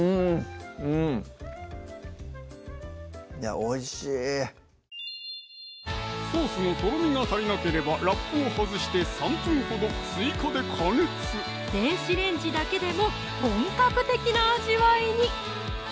おいしいソースのとろみが足りなければラップを外して３分ほど追加で加熱電子レンジだけでも本格的な味わいに！